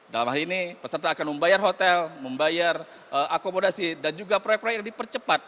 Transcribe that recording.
dalam hal ini peserta akan membayar hotel membayar akomodasi dan juga proyek proyek yang dipercepat